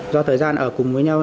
do thời gian ở cùng với nhau